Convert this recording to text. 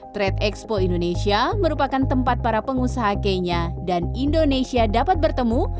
trade expo indonesia merupakan tempat para pengusaha kenya dan indonesia dapat bertemu